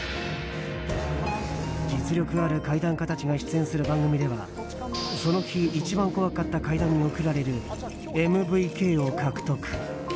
実力ある怪談家たちが出演する番組ではその日一番怖かった怪談に贈られるＭＶＫを獲得。